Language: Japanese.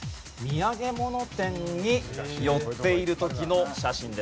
土産物店に寄っている時の写真ですね。